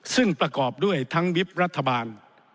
ซึ่งประกอบด้วยทั้งวิบรัฐบาล